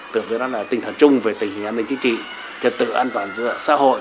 từ đó là tình thần chung về tình hình an ninh chính trị trật tự an toàn giữa xã hội